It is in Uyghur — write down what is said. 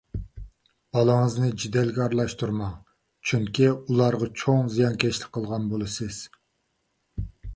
بالىلىرىڭىزنى جېدەلگە ئارىلاشتۇرماڭ! چۈنكى، ئۇلارغا چوڭ زىيانكەشلىك قىلغان بولىسىز.